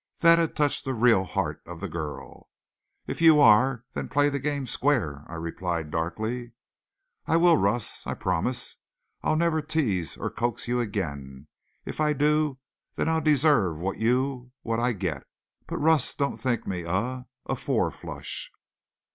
That had touched the real heart of the girl. "If you are, then play the game square," I replied darkly. "I will, Russ, I promise. I'll never tease or coax you again. If I do, then I'll deserve what you what I get. But, Russ, don't think me a a four flush."